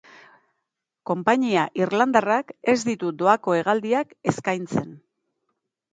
Konpainia irlandarrak ez ditu doako hegaldiak eskaintzen.